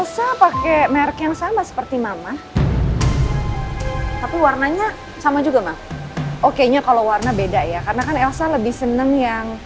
sampai jumpa di video selanjutnya